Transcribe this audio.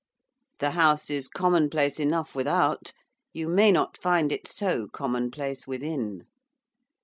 The house is commonplace enough without; you may not find it so commonplace within.